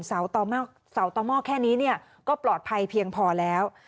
เสาตอม่อแค่นี้เนี่ยก็ปลอดภัยเพียงพอแล้ว